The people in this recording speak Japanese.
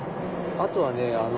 あとはね